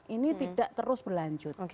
ini tidak terus berlanjut